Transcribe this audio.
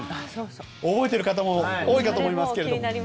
覚えている方も多いかと思いますけども。